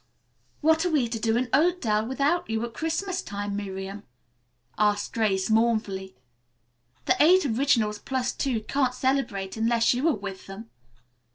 "What are we to do in Oakdale without you, at Christmas time, Miriam?" asked Grace mournfully. "The Eight Originals Plus Two can't celebrate unless you are with them.